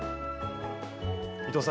伊藤さん